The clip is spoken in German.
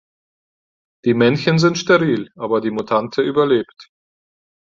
Die Männchen sind steril, aber die Mutante überlebt.